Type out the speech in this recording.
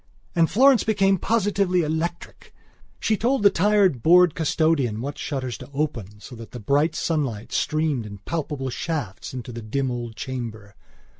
And Florence became positively electric. She told the tired, bored custodian what shutters to open; so that the bright sunlight streamed in palpable shafts into the dim old chamber.